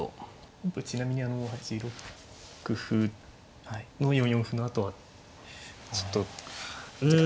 本譜ちなみに８六歩の４四歩のあとはちょっとって感じですか。